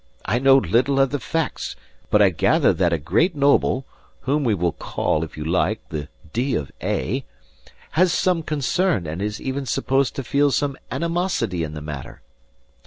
I know little of the facts, but I gather that a great noble (whom we will call, if you like, the D. of A.)* has some concern and is even supposed to feel some animosity in the matter.